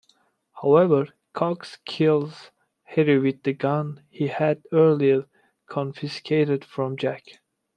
However, Cox kills Harry with the gun he had earlier confiscated from Jack.